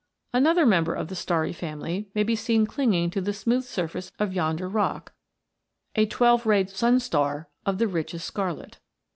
Another member of the starry family may be seen clinging to the smooth surface of yonder rock, a twelve rayed sun of the richest scarlet.